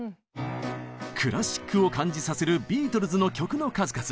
クラシックを感じさせるビートルズの曲の数々。